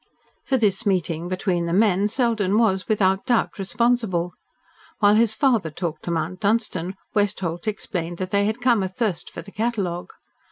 For this meeting between the men Selden was, without doubt, responsible. While his father talked to Mount Dunstan, Westholt explained that they had come athirst for the catalogue.